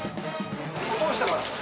通ってます。